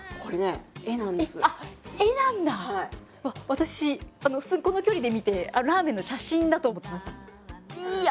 私普通にこの距離で見てラーメンの写真だと思ってました。